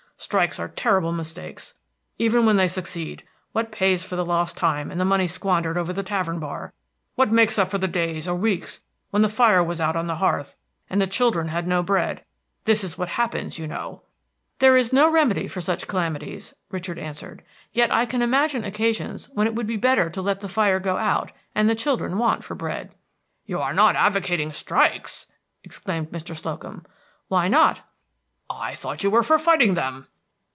Strikes are terrible mistakes. Even when they succeed, what pays for the lost time and the money squandered over the tavern bar? What makes up for the days or weeks when the fire was out on the hearth and the children had no bread? That is what happens, you know." "There is no remedy for such calamities," Richard answered. "Yet I can imagine occasions when it would be better to let the fire go out and the children want for bread." "You are not advocating strikes!" exclaimed Mr. Slocum. "Why not?" "I thought you were for fighting them."